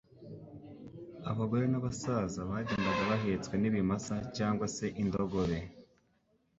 Abagore n'abasaza bagendaga bahetswe n'ibimasa cyangwa se indogobe,